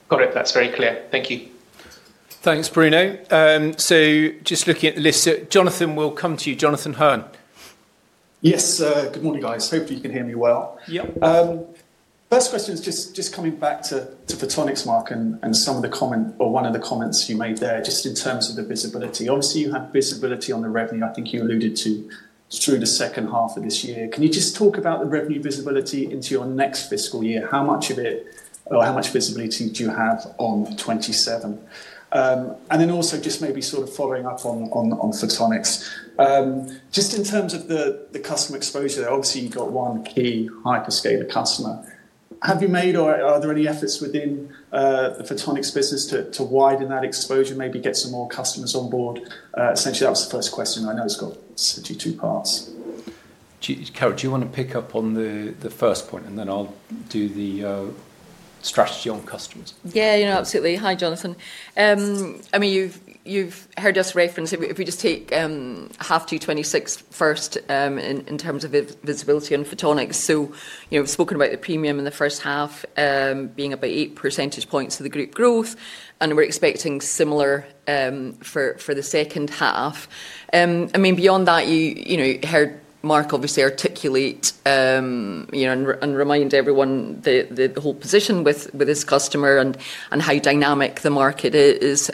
Got it. That's very clear. Thank you. Thanks, Bruno. Just looking at the list, Jonathan, we will come to you. Jonathan Hearn. Yes. Good morning, guys. Hopefully, you can hear me well. First question is just coming back to Photonics, Marc, and some of the comment or one of the comments you made there just in terms of the visibility. Obviously, you have visibility on the revenue. I think you alluded to through the second half of this year. Can you just talk about the revenue visibility into your next fiscal year? How much of it or how much visibility do you have on 2027? Also, just maybe sort of following up on Photonics. Just in terms of the customer exposure there, obviously, you've got one key hyperscaler customer. Have you made or are there any efforts within the Photonics business to widen that exposure, maybe get some more customers on board? Essentially, that was the first question. I know it's got essentially two parts. Carole, do you want to pick up on the first point, and then I'll do the strategy on customers? Yeah, absolutely. Hi, Jonathan. I mean, you've heard us reference, if we just take half to 2026 first in terms of visibility on Photonics. We have spoken about the premium in the first half being about 8 percentage points of the group growth, and we are expecting similar for the second half. I mean, beyond that, you heard Marc, obviously, articulate and remind everyone the whole position with his customer and how dynamic the market is.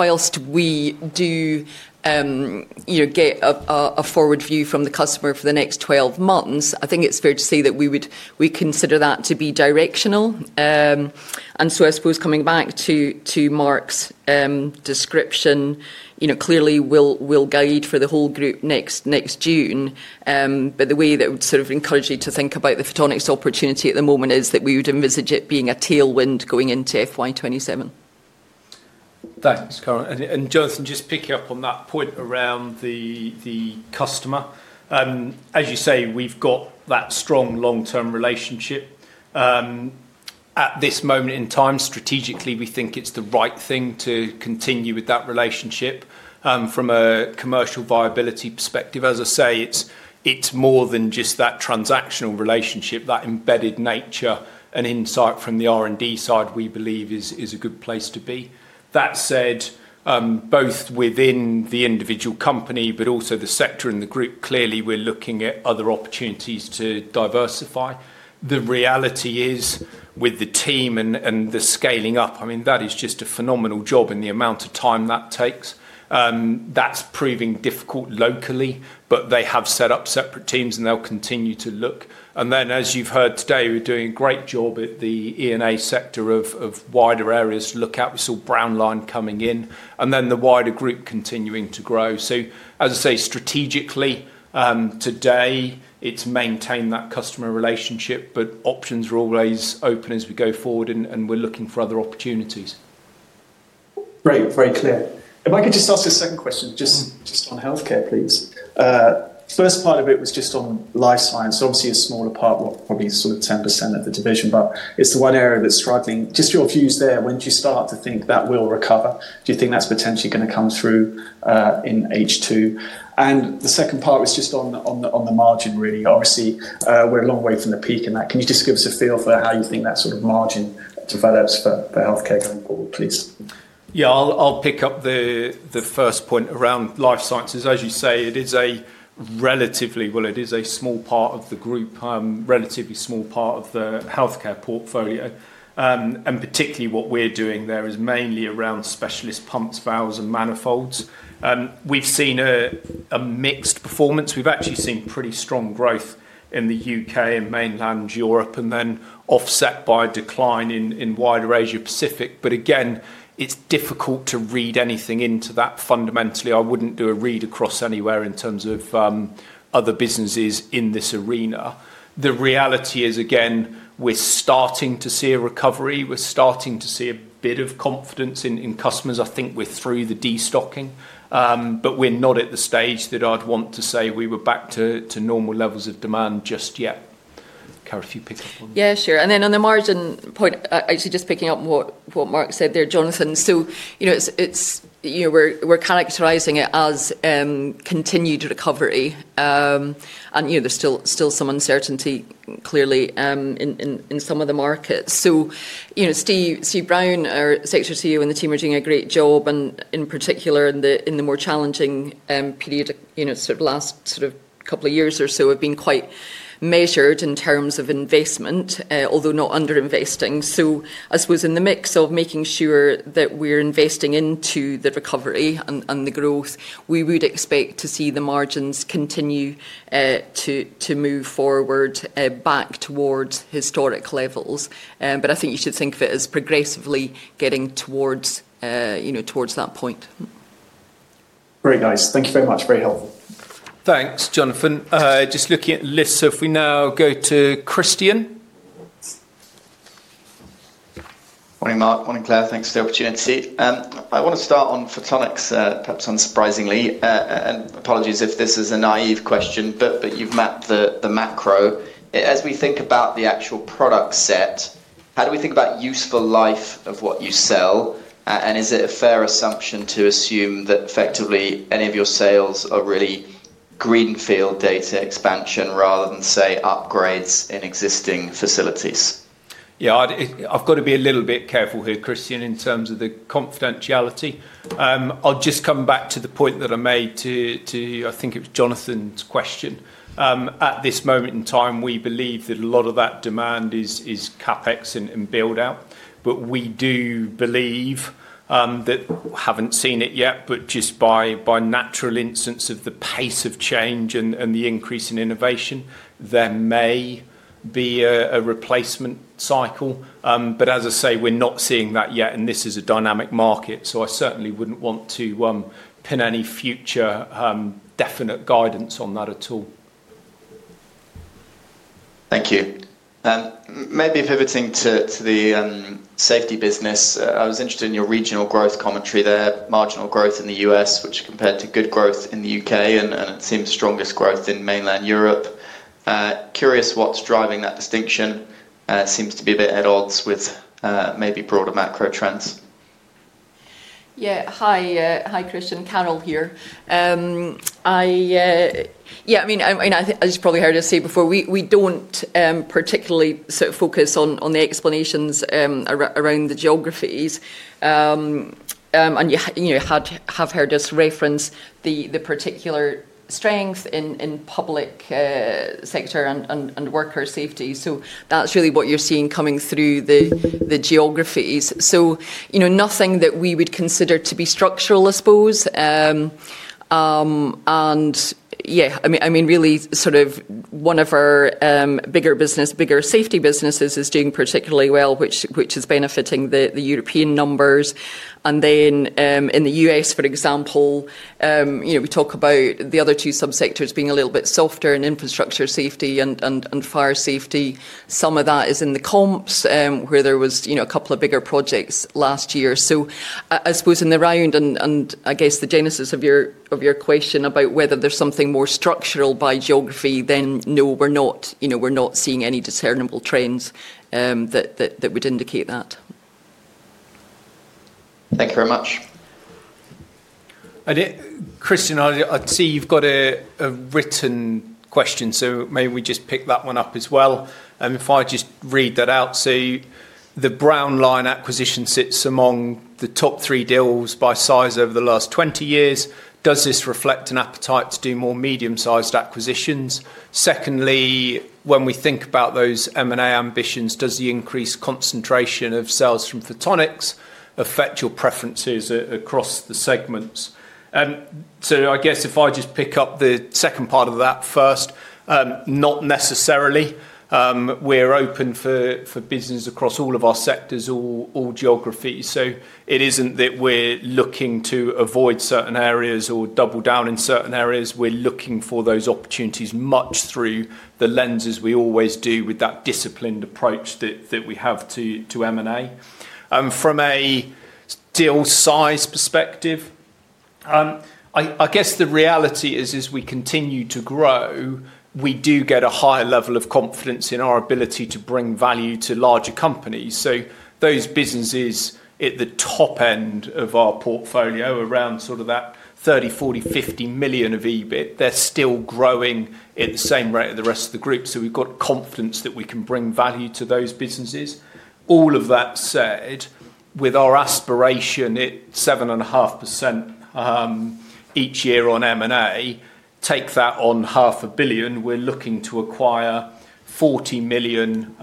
Whilst we do get a forward view from the customer for the next 12 months, I think it is fair to say that we consider that to be directional. I suppose coming back to Marc's description, clearly, we will guide for the whole group next June. The way that I would sort of encourage you to think about the Photonics opportunity at the moment is that we would envisage it being a tailwind going into FY 2027. Thanks, Carole. Jonathan, just picking up on that point around the customer. As you say, we've got that strong long-term relationship. At this moment in time, strategically, we think it's the right thing to continue with that relationship from a commercial viability perspective. As I say, it's more than just that transactional relationship. That embedded nature and insight from the R&D side, we believe, is a good place to be. That said, both within the individual company, but also the sector and the group, clearly, we're looking at other opportunities to diversify. The reality is, with the team and the scaling up, I mean, that is just a phenomenal job in the amount of time that takes. That's proving difficult locally, but they have set up separate teams, and they'll continue to look. As you've heard today, we're doing a great job at the E&A sector of wider areas to look at. We saw Brownline coming in, and then the wider group continuing to grow. As I say, strategically, today, it has maintained that customer relationship, but options are always open as we go forward, and we're looking for other opportunities. Great. Very clear. If I could just ask a second question, just on healthcare, please. First part of it was just on life science. Obviously, a smaller part, probably sort of 10% of the division, but it's the one area that's struggling. Just your views there. When do you start to think that will recover? Do you think that's potentially going to come through in H2? The second part was just on the margin, really. Obviously, we're a long way from the peak in that. Can you just give us a feel for how you think that sort of margin develops for healthcare going forward, please? Yeah, I'll pick up the first point around life sciences. As you say, it is a relatively—well, it is a small part of the group, relatively small part of the healthcare portfolio. Particularly, what we're doing there is mainly around specialist pumps, valves, and manifolds. We've seen a mixed performance. We've actually seen pretty strong growth in the U.K. and mainland Europe, offset by a decline in wider Asia-Pacific. Again, it's difficult to read anything into that fundamentally. I wouldn't do a read across anywhere in terms of other businesses in this arena. The reality is, again, we're starting to see a recovery. We're starting to see a bit of confidence in customers. I think we're through the destocking, but we're not at the stage that I'd want to say we were back to normal levels of demand just yet. Carole, if you pick up on that. Yeah, sure. On the margin point, actually just picking up what Marc said there, Jonathan, we're characterizing it as continued recovery. There's still some uncertainty, clearly, in some of the markets. Steve Brown, our sector CEO and the team are doing a great job. In particular, in the more challenging period, sort of last sort of couple of years or so, have been quite measured in terms of investment, although not underinvesting. I suppose in the mix of making sure that we're investing into the recovery and the growth, we would expect to see the margins continue to move forward back towards historic levels. I think you should think of it as progressively getting towards that point. Great, guys. Thank you very much. Very helpful. Thanks, Jonathan. Just looking at the list. If we now go to Christian. Morning, Marc. Morning, Cran. Thanks for the opportunity. I want to start on Photonics, perhaps unsurprisingly. Apologies if this is a naive question, but you've mapped the macro. As we think about the actual product set, how do we think about useful life of what you sell? Is it a fair assumption to assume that effectively any of your sales are really greenfield data expansion rather than, say, upgrades in existing facilities? Yeah, I've got to be a little bit careful here, Christian, in terms of the confidentiality. I'll just come back to the point that I made to, I think it was Jonathan's question. At this moment in time, we believe that a lot of that demand is CapEx and build-out. But we do believe that we haven't seen it yet, but just by natural incidence of the pace of change and the increase in innovation, there may be a replacement cycle. As I say, we're not seeing that yet, and this is a dynamic market. I certainly wouldn't want to pin any future definite guidance on that at all. Thank you. Maybe pivoting to the safety business, I was interested in your regional growth commentary there, marginal growth in the U.S., which compared to good growth in the U.K., and it seems strongest growth in mainland Europe. Curious what's driving that distinction. Seems to be a bit at odds with maybe broader macro trends. Yeah. Hi, Christian. Carole here. I mean, as you've probably heard us say before, we don't particularly sort of focus on the explanations around the geographies. You have heard us reference the particular strength in public sector and worker safety. That is really what you are seeing coming through the geographies. Nothing that we would consider to be structural, I suppose. Yeah, I mean, really sort of one of our bigger safety businesses is doing particularly well, which is benefiting the European numbers. In the U.S., for example, we talk about the other two subsectors being a little bit softer in infrastructure safety and fire safety. Some of that is in the comps where there were a couple of bigger projects last year. I suppose in the round, and I guess the genesis of your question about whether there is something more structural by geography, no, we are not seeing any discernible trends that would indicate that. Thank you very much. Christian, I see you've got a written question, so maybe we just pick that one up as well. If I just read that out. The Brownline acquisition sits among the top three deals by size over the last 20 years. Does this reflect an appetite to do more medium-sized acquisitions? Secondly, when we think about those M&A ambitions, does the increased concentration of sales from Photonics affect your preferences across the segments? I guess if I just pick up the second part of that first, not necessarily. We're open for business across all of our sectors, all geographies. It isn't that we're looking to avoid certain areas or double down in certain areas. We're looking for those opportunities much through the lenses we always do with that disciplined approach that we have to M&A. From a deal size perspective, I guess the reality is, as we continue to grow, we do get a higher level of confidence in our ability to bring value to larger companies. Those businesses at the top end of our portfolio around sort of that 30 million, 40 million, 50 million of EBIT, they're still growing at the same rate of the rest of the group. We've got confidence that we can bring value to those businesses. All of that said, with our aspiration at 7.5% each year on M&A, take that on 500 million. We're looking to acquire 40 million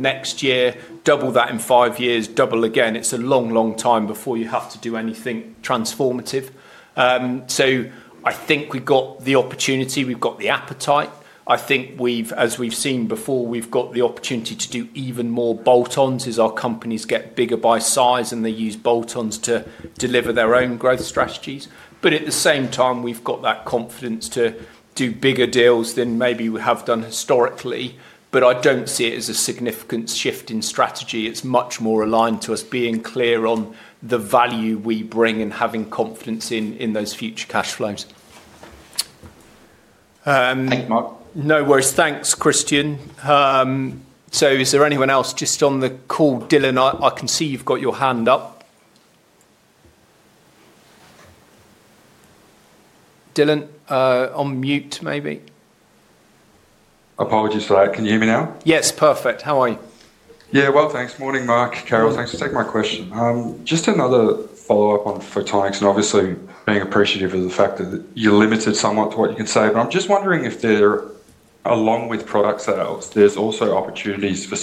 next year, double that in five years, double again. It is a long, long time before you have to do anything transformative. I think we've got the opportunity. We've got the appetite. I think, as we've seen before, we've got the opportunity to do even more bolt-ons as our companies get bigger by size, and they use bolt-ons to deliver their own growth strategies. At the same time, we've got that confidence to do bigger deals than maybe we have done historically. I don't see it as a significant shift in strategy. It's much more aligned to us being clear on the value we bring and having confidence in those future cash flows. Thank you, Marc. No worries. Thanks, Christian. Is there anyone else just on the call? Dylan, I can see you've got your hand up. Dylan, on mute, maybe? Apologies for that. Can you hear me now? Yes, perfect. How are you? Yeah, well, thanks. Morning, Marc. Carole, thanks for taking my question. Just another follow-up on Photonics and obviously being appreciative of the fact that you're limited somewhat to what you can say. I'm just wondering if, along with product sales, there's also opportunities for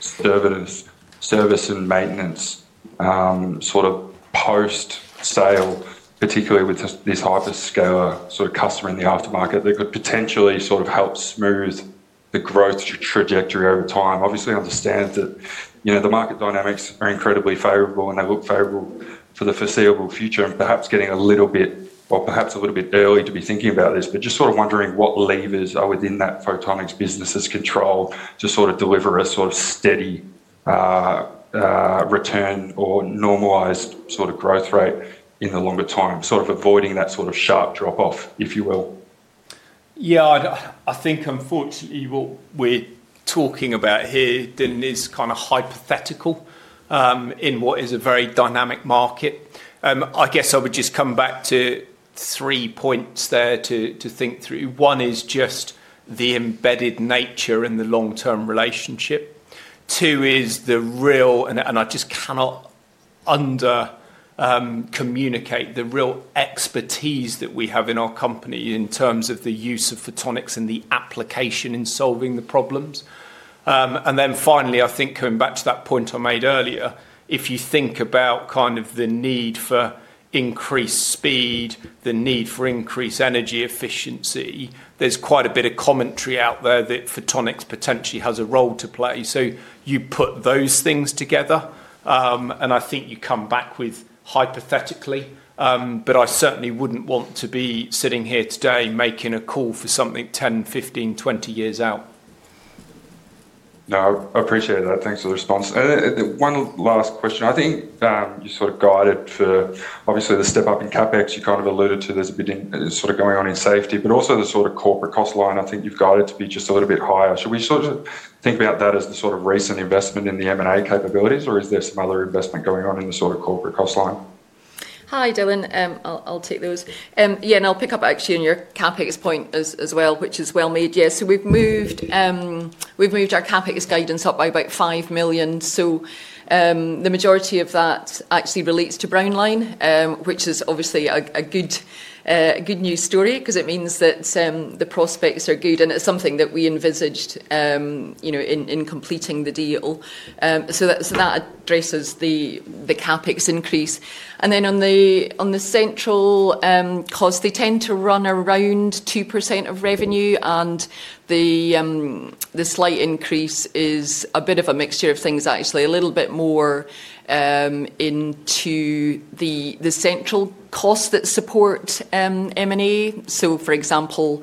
service and maintenance sort of post-sale, particularly with this hyperscaler sort of customer in the aftermarket that could potentially sort of help smooth the growth trajectory over time. Obviously, I understand that the market dynamics are incredibly favorable, and they look favorable for the foreseeable future, and perhaps getting a little bit, or perhaps a little bit early to be thinking about this. Just sort of wondering what levers are within that Photonics business's control to sort of deliver a sort of steady return or normalized sort of growth rate in the longer time, sort of avoiding that sort of sharp drop-off, if you will. Yeah, I think, unfortunately, what we're talking about here, Dylan, is kind of hypothetical in what is a very dynamic market. I guess I would just come back to three points there to think through. One is just the embedded nature and the long-term relationship. Two is the real, and I just cannot under-communicate, the real expertise that we have in our company in terms of the use of Photonics and the application in solving the problems. Finally, I think coming back to that point I made earlier, if you think about kind of the need for increased speed, the need for increased energy efficiency, there's quite a bit of commentary out there that Photonics potentially has a role to play. You put those things together, and I think you come back with hypothetically. I certainly would not want to be sitting here today making a call for something 10, 15, 20 years out. No, I appreciate that. Thanks for the response. One last question. I think you sort of guided for, obviously, the step-up in CapEx. You kind of alluded to there is a bit sort of going on in safety, but also the sort of corporate cost line. I think you have guided to be just a little bit higher. Should we sort of think about that as the sort of recent investment in the M&A capabilities, or is there some other investment going on in the sort of corporate cost line? Hi, Dylan. I will take those. Yeah, and I will pick up actually on your CapEx point as well, which is well-made. Yeah, so we have moved our CapEx guidance up by about 5 million. The majority of that actually relates to Brownline, which is obviously a good news story because it means that the prospects are good, and it is something that we envisaged in completing the deal. That addresses the CapEx increase. On the central cost, they tend to run around 2% of revenue, and the slight increase is a bit of a mixture of things, actually, a little bit more into the central costs that support M&A. For example,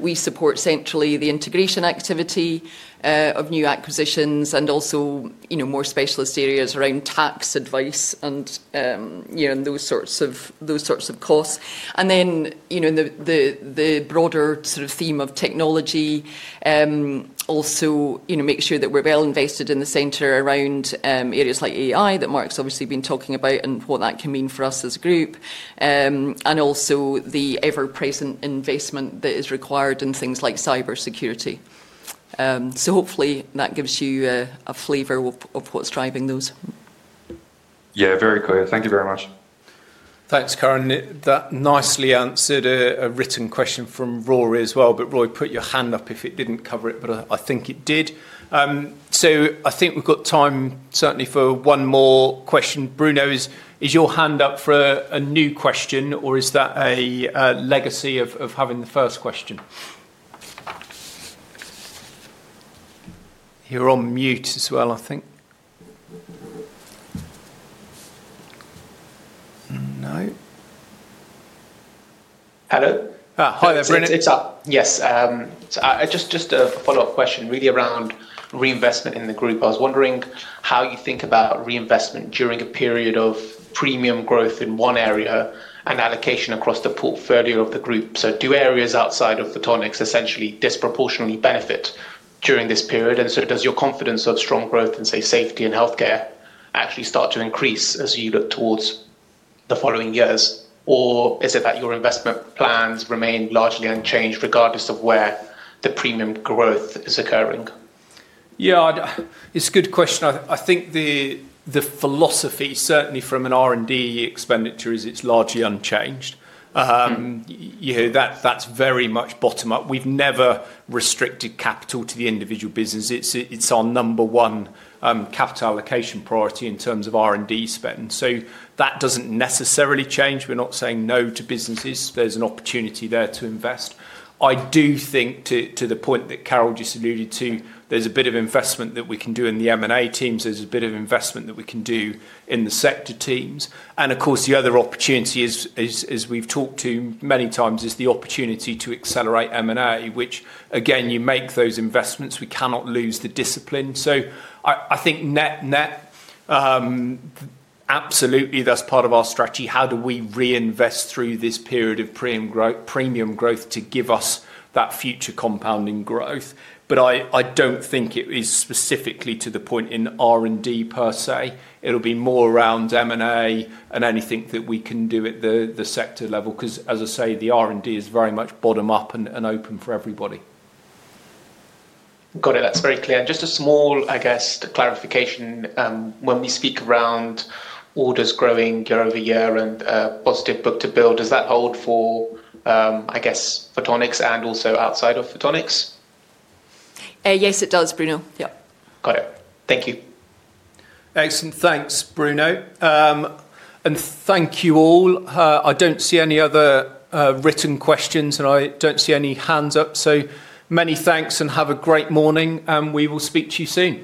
we support centrally the integration activity of new acquisitions and also more specialist areas around tax advice and those sorts of costs. Then the broader sort of theme of technology also makes sure that we're well invested in the center around areas like AI that Marc's obviously been talking about and what that can mean for us as a group, and also the ever-present investment that is required in things like cybersecurity. Hopefully, that gives you a flavor of what's driving those. Yeah, very clear. Thank you very much. Thanks, Carole. That nicely answered a written question from Rory as well. Rory, put your hand up if it didn't cover it, but I think it did. I think we've got time certainly for one more question. Bruno, is your hand up for a new question, or is that a legacy of having the first question? You're on mute as well, I think. No. Hello? Hi, there, Bruno. Yes. Just a follow-up question, really, around reinvestment in the group. I was wondering how you think about reinvestment during a period of premium growth in one area and allocation across the portfolio of the group. Do areas outside of Photonics essentially disproportionately benefit during this period? Does your confidence of strong growth in, say, Safety and Healthcare actually start to increase as you look towards the following years, or is it that your investment plans remain largely unchanged regardless of where the premium growth is occurring? Yeah, it's a good question. I think the philosophy, certainly from an R&D expenditure, is it's largely unchanged. That's very much bottom-up. We've never restricted capital to the individual business. It's our number one capital allocation priority in terms of R&D spend. That doesn't necessarily change. We're not saying no to businesses. There's an opportunity there to invest. I do think, to the point that Carole just alluded to, there's a bit of investment that we can do in the M&A teams. There's a bit of investment that we can do in the sector teams. Of course, the other opportunity, as we've talked to many times, is the opportunity to accelerate M&A, which, again, you make those investments. We cannot lose the discipline. I think net-net, absolutely, that's part of our strategy. How do we reinvest through this period of premium growth to give us that future compounding growth? I don't think it is specifically to the point in R&D per se. It'll be more around M&A and anything that we can do at the sector level because, as I say, the R&D is very much bottom-up and open for everybody. Got it. That's very clear. Just a small, I guess, clarification. When we speak around orders growing year over year and positive book to build, does that hold for, I guess, Photonics and also outside of Photonics? Yes, it does, Bruno. Yeah. Got it. Thank you. Excellent. Thanks, Bruno. Thank you all. I do not see any other written questions, and I do not see any hands up. Many thanks, and have a great morning. We will speak to you soon.